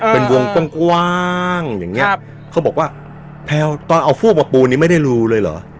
เป็นวงกว้างอย่างเงี้ครับเขาบอกว่าแพลวตอนเอาพวกมาปูนนี้ไม่ได้รูเลยเหรอ